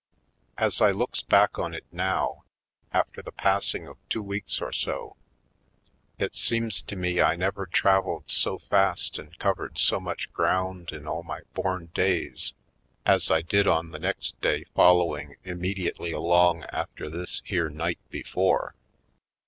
As I looks back on it now, after the passing of two weeks or so, it seems to me I never traveled so fast and covered so much ground in all my born days as I did on the next day following immediately along after this here night before.